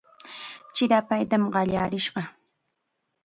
Chirapaytam qallarishqa.